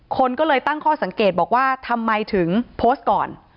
คนก็เลยตั้งข้อสังเกตบอกว่าทำไมถึงโพสต์ก่อน